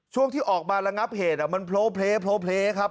ช่วงที่ออกมาระงับเหตุมันโพลเพลครับ